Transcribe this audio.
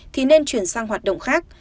thì nên chuyển sang hoạt động khác